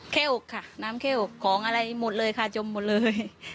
แค่๖ค่ะน้ำแค่๖ของอะไรหมดเลยค่ะจมหมดเลย